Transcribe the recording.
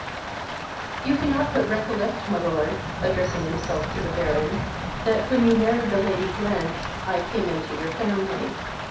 V. "You cannot but recollect, my lord, (addressing himself to the Baron,) that, when you married the Lady Blanch, I came into your family.